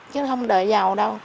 chứ không đợi giàu đâu